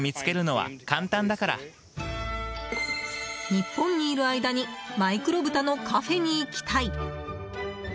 日本にいる間にマイクロブタのカフェに行きたい。